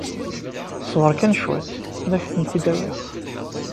Ṣber kan cwiṭ, ad ak-tent-id-awiɣ.